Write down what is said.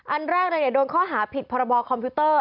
อันแรกเลยอย่าโดนข้อหาผิดพรบคอมพิวเตอร์